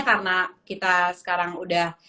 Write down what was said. karena kita sekarang udah